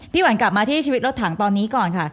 หวันกลับมาที่ชีวิตรถถังตอนนี้ก่อนค่ะ